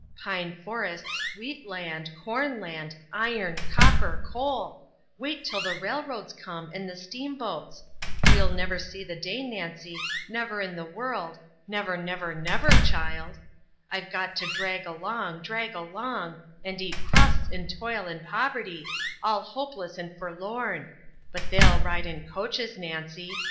Pine forests, wheat land, corn land, iron, copper, coal wait till the railroads come, and the steamboats! We'll never see the day, Nancy never in the world never, never, never, child. We've got to drag along, drag along, and eat crusts in toil and poverty, all hopeless and forlorn but they'll ride in coaches, Nancy!